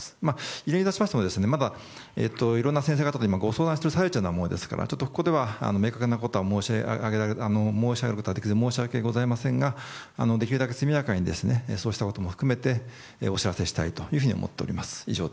いずれにいたしましてもまだいろんな先生方とご相談している最中でございますからちょっとここでは明確なことは申し上げることができずに申し訳ございませんができるだけ速やかにそうしたことも含めてお知らせしたいと思っております。